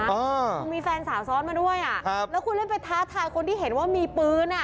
คุณมีแฟนสาวซ้องมาด้วยแล้วคุณเล่นไปทักทายคนที่เห็นว่ามีปืน